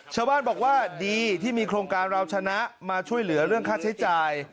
ชาวบ้านบอกว่าดีที่มีโครงการเราชนะมาช่วยเหลือเรื่องค่าใช้จ่าย